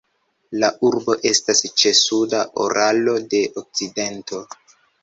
La urbo estas ĉe suda Uralo de okcidento.